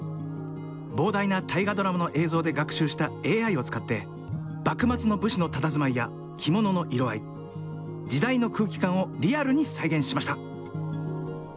膨大な「大河ドラマ」の映像で学習したＡＩを使って幕末の武士のたたずまいや着物の色合い時代の空気感をリアルに再現しました！